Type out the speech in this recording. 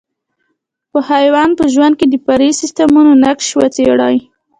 په حیوان په ژوند کې د فرعي سیسټمونو نقش وڅېړئ.